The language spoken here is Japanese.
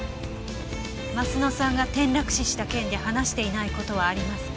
鱒乃さんが転落死した件で話していない事はありますか？